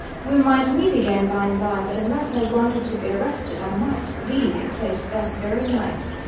We might meet again by and by, but unless I wanted to be arrested I must leave, the place that very night.